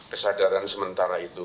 kesadaran sementara itu